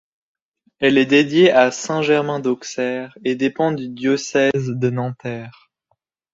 Elle est dédiée à saint Germain d'Auxerre et dépend du diocèse de Nanterre.